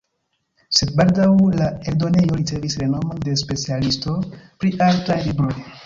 Sed baldaŭ la eldonejo ricevis renomon de specialisto pri artaj libroj.